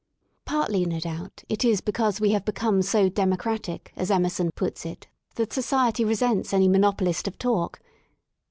Partly J no doubt, it is because we have become so democratic/* as Emerson puts it, that society resents any monopolist of talk.